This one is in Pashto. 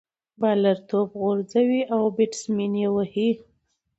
بالر توپ غورځوي، او بيټسمېن ئې وهي.